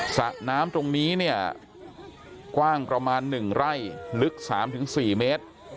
สะน้ำตรงนี้กว้างประมาณหนึ่งไร่ลึก๓๔เมตร